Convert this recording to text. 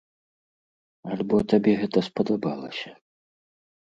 Альбо табе гэта спадабалася?